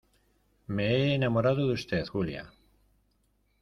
me he enamorado de usted, Julia.